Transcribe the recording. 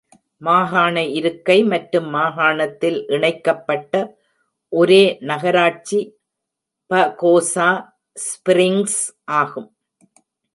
மகாண இருக்கை மற்றும் மகாணத்தில் இணைக்கப்பட்ட ஒரே நகராட்சி பகோசா ஸ்பிரிங்ஸ் ஆகும்.